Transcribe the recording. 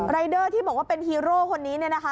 เดอร์ที่บอกว่าเป็นฮีโร่คนนี้เนี่ยนะคะ